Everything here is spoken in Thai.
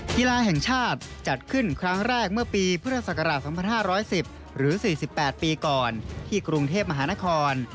กีฬาแห่งชาติจัดขึ้นครั้งแรกเมื่อปีพุทธศักราช๒๕๑๐หรือ๔๘ปีก่อนที่กรุงเทพมหานคร